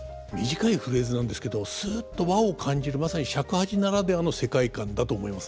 短いフレーズなんですけどすっと和を感じるまさに尺八ならではの世界観だと思いますね。